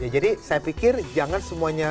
jadi saya pikir jangan semuanya